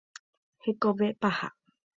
Hekove paha.